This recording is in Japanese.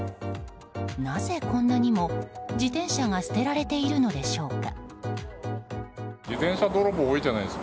なぜ、こんなにも自転車が捨てられているのでしょうか。